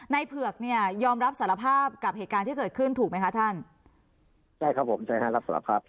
เผือกเนี่ยยอมรับสารภาพกับเหตุการณ์ที่เกิดขึ้นถูกไหมคะท่านใช่ครับผมใช่ฮะรับสารภาพ